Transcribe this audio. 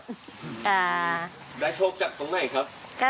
ได้โชคจากตรงไหนครับ